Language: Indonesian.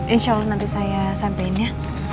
insya allah nanti saya sampein ya